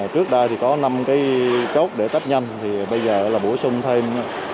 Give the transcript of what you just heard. trước đây thì có năm cái chốt để tách nhanh thì bây giờ là bổ sung thêm